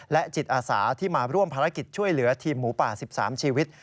และจิตอาสาที่มาร่วมภารกิจช่วยเหลือทีมหมูป่า๑๓ชีวิต